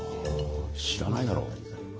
知らないだろ俺。